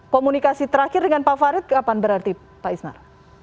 komunikasi terakhir dengan pak farid kapan berarti pak ismar